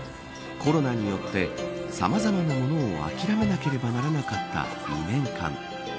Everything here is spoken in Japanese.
コロナによってさまざまなものを諦めなければならなかった２年間。